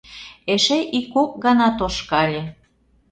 Эше ик-кок гана тошкале.